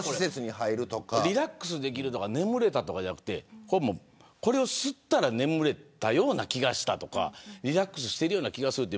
リラックスできるとか眠れたとかじゃなくてこれを吸ったら眠れたような気がしたとかリラックスしてるような気がするって